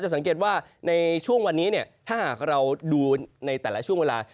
สังเกตว่าในช่วงวันนี้ถ้าหากเราดูในแต่ละช่วงเวลา